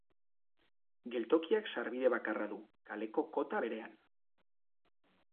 Geltokiak sarbide bakarra du, kaleko kota berean.